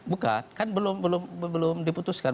bukan kan belum diputuskan